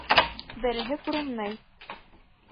Береһе күренмәй.